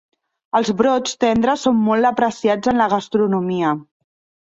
Els brots tendres són molt apreciats en la gastronomia.